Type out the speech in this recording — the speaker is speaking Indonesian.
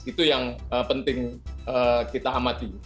itu yang penting kita amati